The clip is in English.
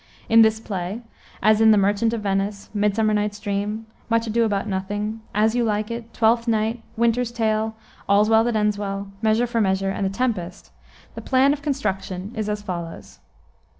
In this play, as in the Merchant of Venice, Midsummer Night's Dream, Much Ado about Nothing, As You Like It, Twelfth Night, Winters Tale, All's Well that Ends Well, Measure for Measure, and the Tempest, the plan of construction is as follows.